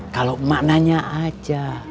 kalau emak nanya aja